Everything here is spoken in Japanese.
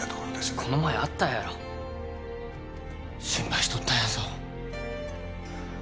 この前会ったやろ心配しとったんやぞ